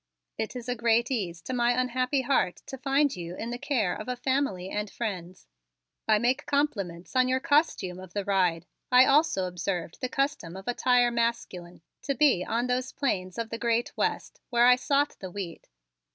It is a great ease to my unhappy heart to find you in the care of a family and friends. I make compliments on your costume of the ride. I also observed the custom of attire masculine to be on those plains of the great West where I sought the wheat."